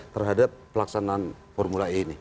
terhadap pelaksanaan formula e ini